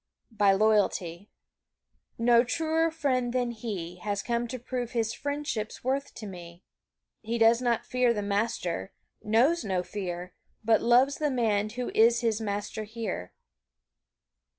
By loyalty. No truer friend than he Has come to prove his friendship's worth to me. He does not fear the master knows no fear But loves the man who is his master here.